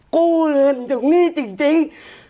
กู้เงินจริง